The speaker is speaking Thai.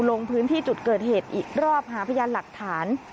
ลงพื้นที่จุดเกิดเหตุอีกรอบหาพยานหลักฐาน